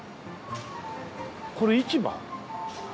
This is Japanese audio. これ市場？